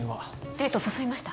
デート誘いました？